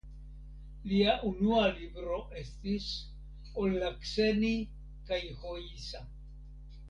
Lia unua libro estis "Ollakseni kaihoisa".